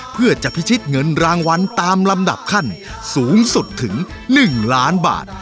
เพื่อจะพิชิตเงินรางวัลตามลำดับขั้นสูงสุดถึง๑ล้านบาท